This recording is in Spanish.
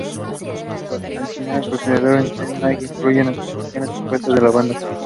Al igual que en su predecesor, "Undead Nightmare" incluye canciones compuestas por bandas invitadas.